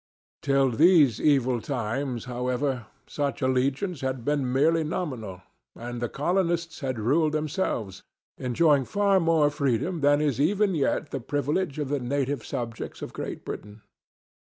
Till these evil times, however, such allegiance had been merely nominal, and the colonists had ruled themselves, enjoying far more freedom than is even yet the privilege of the native subjects of Great Britain.